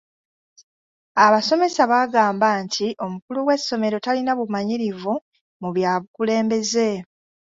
Abasomesa baagamba nti omukulu w'essomero talina bumanyirivu mu bya bukulembeze.